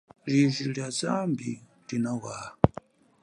Liji lia zambi linawaha.